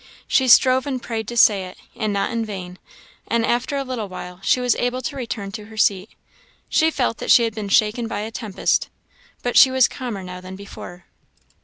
She strove and prayed to say it, and not in vain; and after a little while she was able to return to her seat. She felt that she had been shaken by a tempest, but she was calmer now than before.